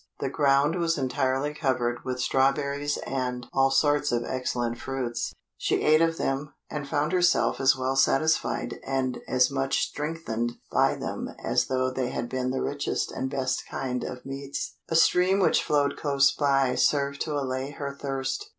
The ground was entirely covered with strawberries and all sorts of excellent fruits; she ate of them, and found herself as well satisfied and as much strengthened by them as though they had been the richest and best kind of meats. A stream which flowed close by served to allay her thirst.